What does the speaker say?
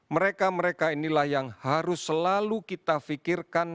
mereka mereka inilah yang harus selalu kita fikirkan